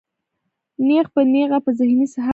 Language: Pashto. نېغ پۀ نېغه پۀ ذهني صحت وي